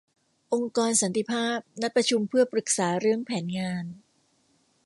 องค์กรสันติภาพนัดประชุมเพื่อปรึกษาเรื่องแผนงาน